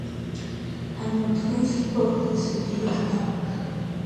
წარმოადგენს პროვინციის უდიდეს ქალაქს.